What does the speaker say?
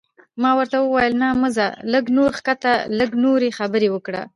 ما ورته وویل: نه، مه ځه، لږ نور کښېنه، لږ نورې خبرې وکړه.